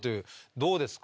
どうですか？